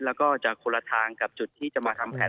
แล้วก็จะคนละทางกับจุดที่จะมาทำแผน